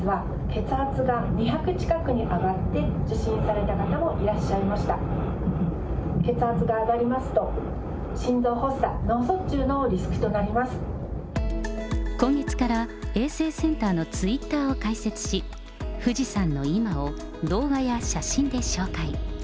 血圧が上がりますと、心臓発作、今月から、衛生センターのツイッターを開設し、富士山の今を、動画や写真で紹介。